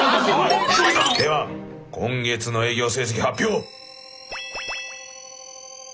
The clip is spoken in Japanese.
では今月の営業成績発表。